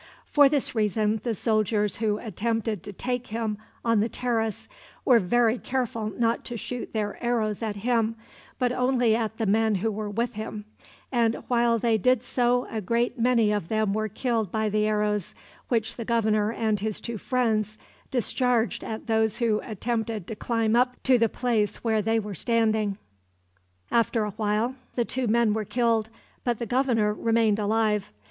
For this reason the soldiers who attempted to take him on the terrace were very careful not to shoot their arrows at him, but only at the men who were with him, and while they did so a great many of them were killed by the arrows which the governor and his two friends discharged at those who attempted to climb up to the place where they were standing. [Illustration: THE GOVERNOR ON THE TERRACE.] After a while the two men were killed, but the governor remained alive.